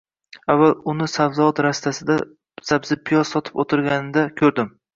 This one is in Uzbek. Avval uni sabzavot rastasida sabzi-piyoz sotib o‘tirg‘anida ko‘rdim